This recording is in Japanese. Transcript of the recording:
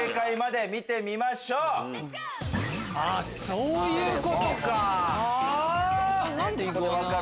そういうことか！